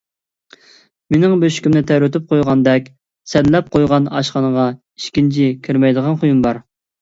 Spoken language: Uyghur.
مېنىڭ بۆشۈكۈمنى تەۋرىتىپ قويغاندەك سەنلەپ قويغان ئاشخانىغا ئىككىنچى كىرمەيدىغان خۇيۇم بار.